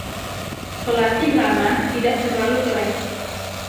Pelatih lama tidak terlalu keren